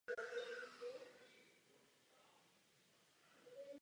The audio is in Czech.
Model pro obnovení letů je nejdůležitější věcí.